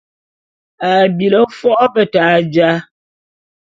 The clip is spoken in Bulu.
A bili fo’o beta jal .